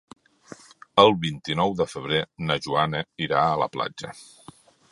El vint-i-nou de febrer na Joana irà a la platja.